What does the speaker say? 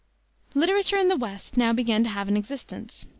Literature in the West now began to have an existence.